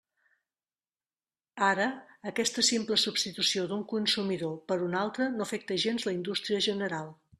Ara, aquesta simple substitució d'un consumidor per un altre no afecta gens la indústria general.